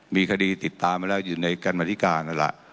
มีคดีติดตามมาแล้วอยู่ในกรรมธิการนั่นแหละ